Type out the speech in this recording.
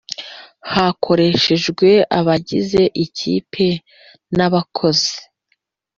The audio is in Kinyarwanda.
hakoreshejwe abagize Ikipe n abakozi